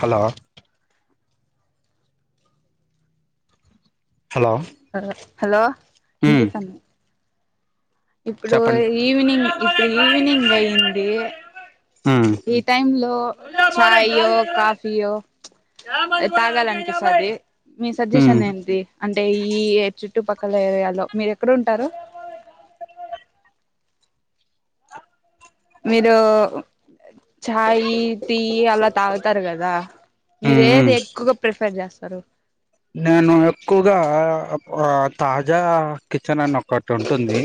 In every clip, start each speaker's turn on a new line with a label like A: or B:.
A: Hello hello
B: హల hello ఏం
A: ఉమ్
B: జేత్తనవ్ ఇప్పుడు
A: చెప్పండి
B: ఈవినింగ్ ఇప్పుడు ఈవినింగ్ అయింది
A: ఉమ్
B: ఈ టైంలో ఛాయో కాఫీయో తాగాలనిపిస్తది మీ
A: ఉమ్
B: సజెషన్ ఏంటి అంటే ఈ ఏజ్ చుట్టుపక్కల ఏరియాలో మీరు ఎక్కడ ఉంటారు మీరు చాయి టీ అలా తాగుతారు కదా మీరు
A: ఉమ్ ఉమ్
B: ఏది ఎక్కువగా ప్రిఫర్ చేస్తారు రు
A: నేను ఎక్కువగా ఆ ఓం తాజా కిచెన్ అన్న ఒకటి ఉంటుంది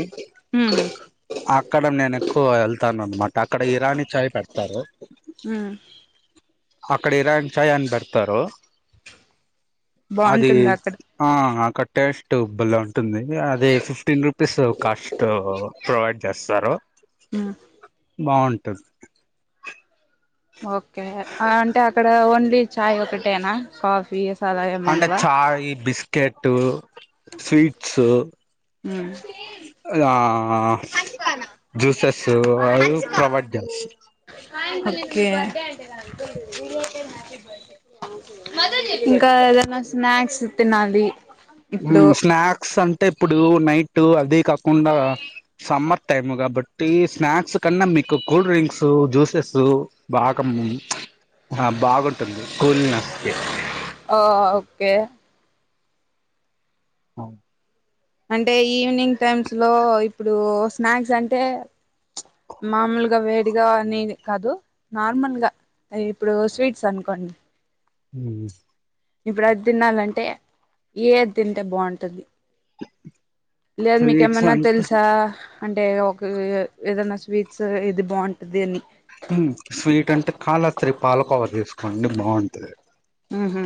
B: ఉమ్
A: అక్కడ నేను ఎక్కువ వెళ్తాను అన్నమాట అక్కడ ఇరానీ చాయ్ పెడతారు
B: హు మ్
A: అక్కడ ఇరాన్ చాయ్ అని పెడతారు అదీ
B: బాగుంటుందా అక్కడ
A: ఆ హ కట్ టేస్ట్ భలే ఉంటుంది అదే ఫిఫ్టీన్ రూ పిస్ కాష్ట్ ప్రొవైడ్ చేస్తారు
B: ఉమ్
A: బావుంటుంది
B: ఓకే అంటే అక్కడ ఓన్లీ చాయ్ ఒకటేనా కాఫీ అలా ఏమి
A: అంటే
B: ఉండవా
A: చాయ్ బిస్ కెట్టూ స్వీట్సూ ఆ జ్యూసెస్ అవి ప్రొవైడ్ చేస్త
B: బడే అంటే బడే [unintelligible] ఇంకా ఎదన్న స్నాక్స్ తినాలి
A: ఉ
B: ఇప్పుడు
A: స్నాక్స్ అం అంటే ఇప్పుడు నైట్ అది కాకుండా సమ్మర్ టైమ్ కాబట్టి స్నాక్స్ కన్నా మీకు కూల్ డ్రింక్సూ జ్యూసెసు బాగామ్ ఆ బాగుంటుంది కూల్నెస్కి
B: ఆ ఓకే
A: అవు [unintelligible]
B: అంటే ఈవినింగ్ టైమ్స్ లో ఇప్పుడు స్నాక్స్ అంటే మామూలుగా వేడిగా అని కాదు నార్మల్గా ఇప్పుడు స్వీట్స్ అనుకోండి
A: ఉ
B: ఇప్పుడు అది తినాలంటే ఏది తింటే బాగుంటది లేదు మీకు
A: స్వీట్స్
B: ఎమన్నా
A: అంటే
B: తెల్సా అంటే ఒక ఏదనా స్వీట్స్ ఇది బాగుంటది అని
A: ఉ స్వీట్ అంటే కాలహస్త్రి పాలకోవా తీసుకోండి బాగుంటది
B: ఉహు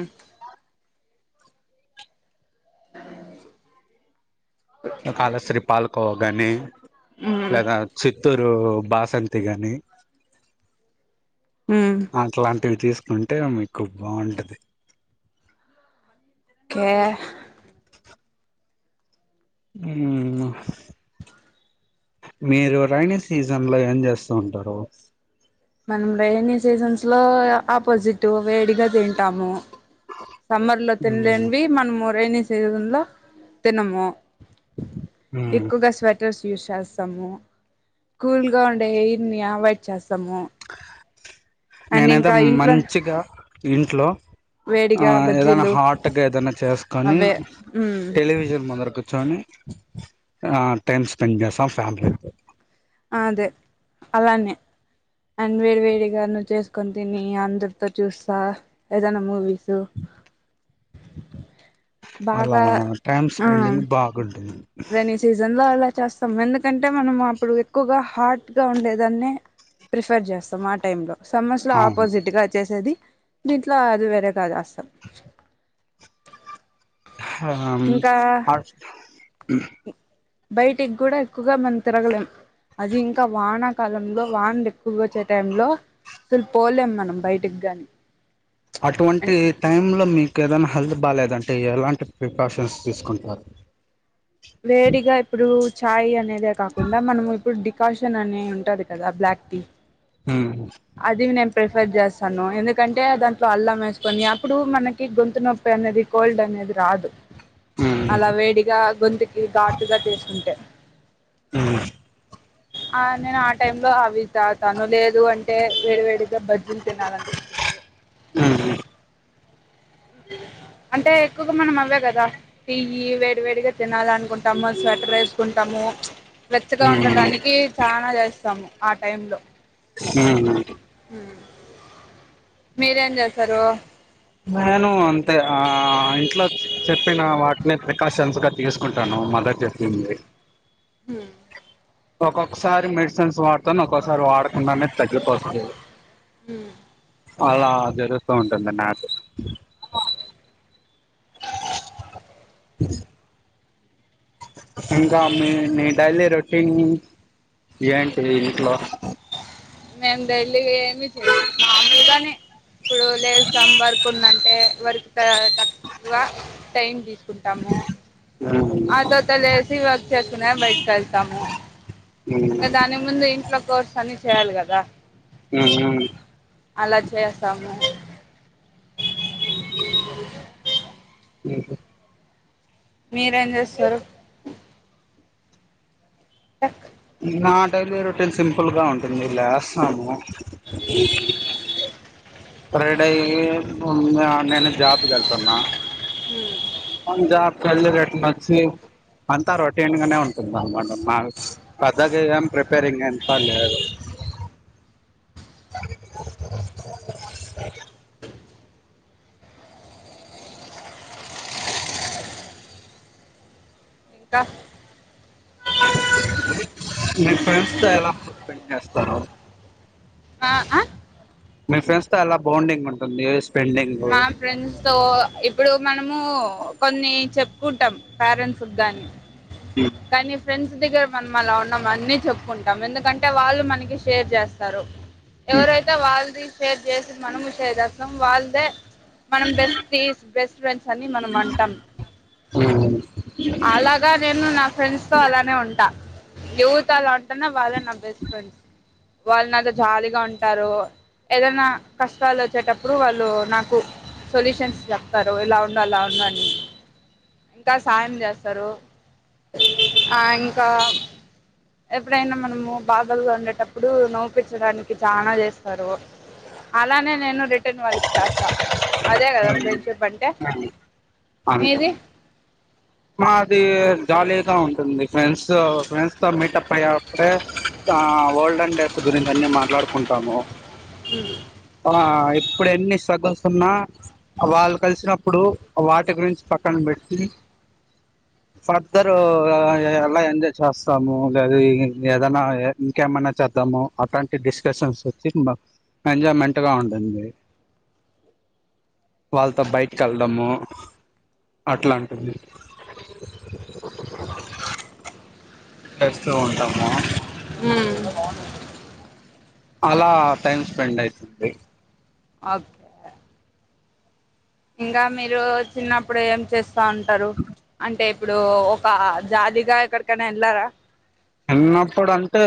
B: [unintelligible]
A: కాళశ్రీ పాల్కోవా గాని లేదా చిత్తూరు బాసంతి కానీ
B: ఉ
A: అట్లాంటివి తీసు అంటే మీకు బాగుంటది
B: కే
A: [inaudible] ఉ మీరు రైైనీ సీజన్ లో ఏం చేస్తూ ఉంటారు
B: మనమ్ రైనీ సీజన్స్ లో ఆపోజిట్ వేడిగా తింటాము సమ్మర్ లో తినలేనివి
A: మ్మ్
B: మనము రైనీ సీజన్లో తినము ఎక్కువ గా స్వెటర్స్ యూస్ చేస్తాము కూల్ గా ఉండే ఎయిర్ని అవాయిడ్ చేస్తాము
A: ఆ [unintelligible]
B: అండ్
A: నేనైతె
B: ఇంకా ఇంట్లో
A: మంచిగా ఇంట్లో ఆ
B: వేడిగా
A: ఏదైనా
B: బజ్జీలు
A: హాట్గా ఏదనా చేసుకొని
B: అవే ఉమ్
A: టెలివిజన్ ముందర కూచొని ఆ టైమ్ స్పెండ్ చేస్తాం ఫ్యామిలీ తొ
B: అదే అలానే అండ్ వేడి వేడిగా ను చేసుకొని తిని అందరితో చూస్తా ఏదనా మూవీస్
A: అలా
B: బాగా
A: టైమ్
B: ఆ
A: స్పెండింగ్ బాగుంటుంది
B: చేస్తాము ఎందుకంటే మనం అప్పుడు ఎక్కువగా హార్ట్ గా ఉండేదన్నే ప్రిఫర్ చేస్తాం ఆ టైమ్ లో సమ్మర్స్ లో
A: అవును
B: ఆపోజిట్ గా వచ్చేసేది మీీట్లో అది వర కాదు ఆసం
A: అ
B: బయటికి కూడా ఎక్కువగా మనం తిరగలేం అది ఇంకా వానాకాలంలో వానలు ఎక్కువగా వచ్చే టై లో అసలు పోలేము మనం బయటికి నీ
A: అటువంటి టై లో మీ ఏదనా హెల్త్ బాగాలేదంటే ఎలాంటి ప్రికాషన్స్ తీసుకుంటారు
B: వేడిగా ఇప్పుడు చాయ్ అనేదే కాకుండా మనం ఇప్పుడు డికాషన్ అనే ఉంటది కదా బ్లాక్ టీ
A: మ్మ్
B: అది నంపి ప్రిఫర్ చేస్తాను ఎందుకంటే దాంట్లో అల్లం వేసుకొని అప్పుడు మనకి గొంతు నొప్పి అనేది కోల్డ్ అనేది రాదు
A: మ్మ్
B: అలా వేడిగా గొంతక్ ఇది ఘాటుగా చేసుకుంటే
A: మ్మ్
B: ఆ నేను ఆ టైమ్ లో అవి తాతాను లేదు అంటే వేడివేడిగా బజ్జీలు తినాలినిపిస్తుంది
A: ఆ
B: అంటే ఎక్కువగా మనం అవే కదా ియ వేడి వేడిగా తినాల అనుకుంటాము స్వెటర్ వేసుకుంటాము వెచ్చగా ఉండటనికి చాలనాా చేస్తాము ఆ టైంలో
A: హ
B: మీరేం చేస్తారు
A: నేను అంతే ఆ అట్లా చెప్పిన వాటిని కాశన్స్గా తీసుకుంటాను మద్దతు చెప్పింది
B: హ
A: ఒక్కొక్కసారి మెడిసిన్స్ వాడు త్తను ఒక్కసారి వాడకుండానే తగ్గిపోసలేదు అలా జరుస్తూ ఉంటుంది నాకు ఇంకామ్ మీ డైలీ రొటీన్ ఏ ఇంట్లో
B: మేము డైలీ ఏమి చెయి మామలుగానే ఇప్పుడు లేదు సమ్ వర్క్ ఉందంటే వర్క్ తక్కువ టైంది కుంటాము ఆ త తల అసి చేస్తున బై ళ్తాము ఇంకా దాని ముందు ఇంట్లో కోర్స్ అని చయ్యాల్ కద
A: హమ్ మ్మ
B: అలా చేస్తాము
A: హమ్
B: మీరేం చేస్తారు అక్
A: నా డైలీ రొటీన్ సింపుల్ గా ఉంటుంది లేస్తాము ఫ్రైడే ఏంఉన్నా నేను జాబ్ కి వెళ్తున్న వన్ జాబ్ కెళ్ళటట్టు నచ్చి అంతా రొటీన్ గానే ఉంటుంది అన్నమాట [unintelligible] పెద్ద అక్కయ్ గాని ప్రిపేరింగ్ అంత లేదు
B: ఇంకా
A: మీ ఫ్రెండ్స్ త ఎలా స్పెండ్ చేస్తారు
B: ఆ ఆ
A: మీ ఫ్రెండ్స్ తో అలా బాండింగ్ ఉంటుంది స్పెండింగ్
B: మా ఫ్రెండ్స్ తో ఇప్పుడు మనము కొన్ని చెప్పుకుంటాం పేరెంట్స్ గాని కానీ ఫ్రెండ్స్ దగ్గర మన అలా ఉన్నాం అన్ని చెప్పుకుంటాం ఎందుకంటే వాళ్ళు మనకి షేర్ చేస్తారు ఎవరైతా వాల్ది షేర్ చేసి మనము చేస్తాం వాళ్ళదే మనం బెస్ట్ తీస్ బెస్ట్ ఫ్రెండ్స్ అని మనం అంటాం అలాగా నేను నా ఫ్రెండ్స్ తో అలానే ఉంటా ఎవ్తల ఉంటన వాళ్లే నా బెస్ట్ ఫ్రెండ్స్ వాళ్ళు నాతో జాలీగా ఉంటారు ఏదన్నా కష్టాలు వచ్చేటప్పుడు వాళ్ళు నాకు సొల్యూషన్స్ చెప్తారు ఇలా ఉండు అలా ఉండు అని ఇంకా సాయం చేస్తారు ఆ ఇంకా ఎప్పుడైనా మనము బాదలుగా ఉండేటప్పుడు నవ్విపించడానికి చానా చేస్తారు అలానే నేను రి [unintelligible] వాళ్ళకి చేసా అదే కదా ఫ్రెండ్షిప్ అంటే
A: అంతే
B: మీది
A: గా ఉంటుంది ఫ్రెండ్స్ ఫ్రెండ్స్ తో మీటప్ అయ్యప్పుడే ఆ వోల్డెన్ డేస్ గురించి అన్ని మాట్లాడుకుంటాము తనా ఇప్పుడు ఎన్ని [unintelligible] ఉన్నా వాళ్ళు కలిసినప్పుడు వాటి గురించి పక్కన పెట్టి ఫర్దర్ [unintelligible] అలా ఎంజాయ్ చేస్తాము లేదా ఏదైనా ఇంకేమైనా చేద్దాము అట్లాంటి డిస్కషన్స్ వచ్చి ఎంజాయ్మెంట్గా ఉంటుంది. వాళ్ళతో బయటికి వెళ్ళడము అట్లా ఉంటుంది. చేస్తూ ఉంటాము
B: మ్మ్
A: అలా టైమ్ స్పెండ్ అయితుంది
B: ఓకే ఇంగా మీరు చిన్నప్పుడు ఏం చేస్ తా ఉంటారు అంటే ఇప్పుడు ఒక జాలీగా ఎక్కడికైనా వెళ్ళారా
A: చిన్నప్పుడు అంటే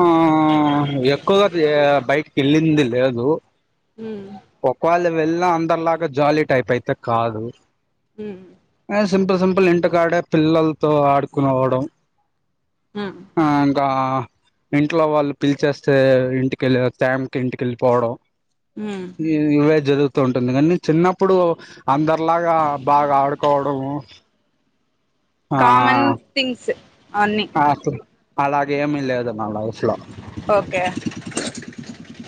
A: ఆ ఎక్కువగా దీ బైక్ వెళ్ళింది లేదు
B: మ్మ్
A: ఒక్క వేళ్ళు వెళ్ళా అందరిలాగా జాలీ టైప్ అయితే కాదు
B: హుం
A: సింపుల్ సింపుల్ ఇంటికాడే పిల్లల్తో ఆడుకోనివడం
B: మ్మ్
A: ఆ ఇంకా ఇంట్లో వాళ్ళు పిలిచేస్తే ఇంటికెళ్ళి టైమ్ కి ఇంటికెళ్ళిపోవడం
B: మ్మ్
A: ఈ ఇవే జదు తు ఉంటుంది కానీ చిన్నప్పుడు అందరిలాగా బాగా ఆడుకోవడం
B: కామన్ థింగ్స్ అన్నీ
A: ఆ తు అలాగేమీ లేదు నా లైఫ్ లో
B: ఓకే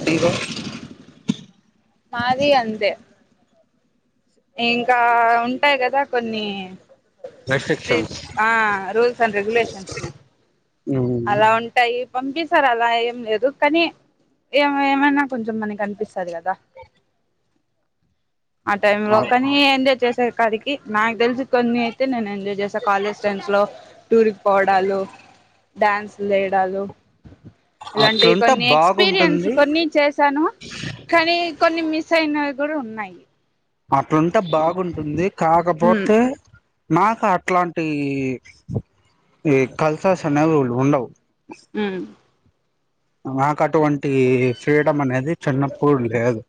A: నీకు
B: మాది అంతే ఇంకా ఉంటాయి కదా కొన్ని స్వి
A: రెస్ట్రిక్షన్స్
B: ఆ రూల్స్ అండ్ రెగులేషన్స్ వి అలా ఉంటాయి పంపిస్తారు అలా ఏం లేదు కానీ ఏమ ఏమైనా కొంచెం మనకి అనిపిస్తాది కదా అంటే ఒకనీ ఏందే చేస్ స కదికి నాకు తెలిసి కొన్ని అయితే నేను ఎంజాయ్ చేసాను కాలేజ్ ట్రైంస్ లో టూర్కి పోవడాలు డ్యాన్స్ లేయడాలు అలాంటివి
A: అట్లుంటే
B: కొన్ని ఎక్స్పీరియన్స్
A: బాగుంటుంది
B: కొన్ని చేసాను కానీ కొన్ని మిస్ అయినవి కూడా ఉన్నాయి
A: అట్లుంటే బాగుంటుంది
B: ఉమ్
A: కాకపోతే మాకు అట్లాంటి ఈ కల్సర్స్ అనేవిు ఉండవు
B: మ్మ్
A: మాకటువన్ టి ఫ్రీడమ్ అనేది చిన్నప్పుడు లేదు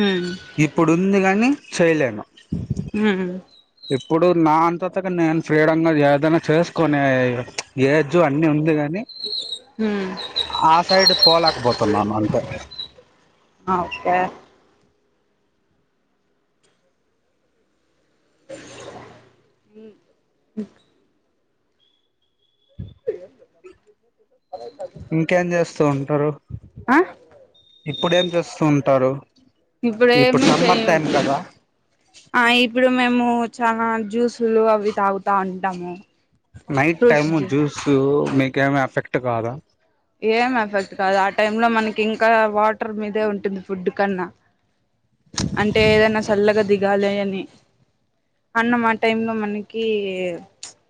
B: ఉమ్
A: ఇప్పుడు ఉంది కాని చేయలేను
B: హహ
A: ఇప్పుడు నా అంతతగా నేను ఫ్రీడ ఏదైనా చేసుకునే ఏజ్ అన్ని ఉంది కాగాని
B: ఉమ్
A: ఆ సైడ్ పోలేకపోతున్నాను అంతే
B: ఓకే ఈ [unintelligible]
A: ఇంకేం చేస్త వస్తూ ఉంటారు
B: ఆ
A: ఇప్పుడు చేస్తూ ఉంటారు ఇప్పుడు
B: ఏమి
A: సమ్మర్ టైం
B: చెయ
A: కదా
B: చాల జ్యూసులు అవి తాగుతా ఉంటాము
A: నైట్
B: ఫ్రూట్స్
A: టైమ్
B: జ్యూ
A: జూస్ మకు ఏమిఎఫెక్ట్ కాదా
B: ఏం ఎఫెక్ట్ కాదు ఆ టై లో మనకి ఇంకా వాటర్ మీదే ఉంటుంది ఫుడ్ కన్నా అంటే ఏదన్నా చల్గా దిగు గాలి అని అన్నం ఆ టై లో మనకి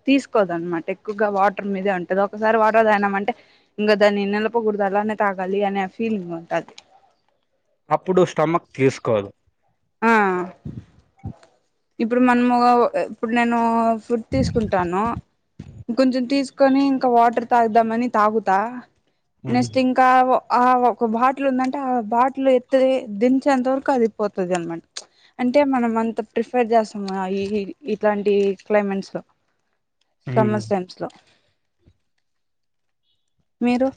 B: తీసుకోదు అనమాట ఎక్కువగా వాటర్ మీదే ఉంటంది ఒకసారి వాటర్ తాగిన్మాట్ అంటే ఇంకా దాన్ని నెల పొ కుడదాలా అనే తాగాలి అనే ఆ ఫీలింగ్ ఉంటుది
A: అప్పుడు స్టమక్ తీసుకోదు
B: ఆ ఇప్పుడు మనము ఇప్పుడు నేను ఫుడ్ తీసుకుంటాను కొంచెం తీసుకొని ఇంకా వాటర్ తాగుదామని తాగుతా నెస్ట్ ఇంకా ఆ ఒక బాటిల్ ఉందంటే ఆ బాటిల్ ఎత్తితే దించేంత వరకు అదిపోతుంది అనమాట అంటే మనం అంత ప్రిఫర్ చేస్తాము ఇట్లాంటి క్లైమేట్స్ లో సమ్మర్ టైమ్స్ లో మీరు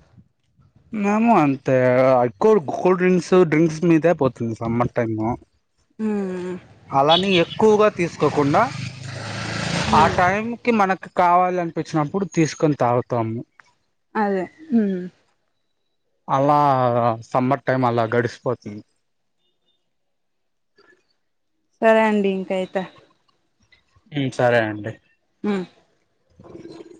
A: మ్యాము అంతే అ కోల్ కోల్డ్ డ్రింక్స్ డ్రింక్స్ మీదే పోతుంది సమ్మర్ టైమ్
B: ఆ
A: అలాని ఎక్కువగా తీసుకోకుండా ఆ టైంకిి మనకు కావాలనిపించినప్పుడు తీసుకొని తాగుతాము
B: అదే హ్మ్
A: అలా సమ్మర్ టైం అలా గడిసిపోతుంది
B: సరే అండి ఇంకా యితే
A: హ్మ సరే అండి
B: ఆ
A: [inaudible]